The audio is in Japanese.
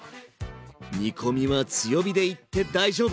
煮込みは強火でいって大丈夫！